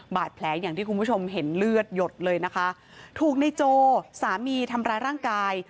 บาดแผลอย่างที่คุณผู้ชมเห็นเลือดหยดเลยนะคะถูกในโจสามีทำร้ายร่างกาย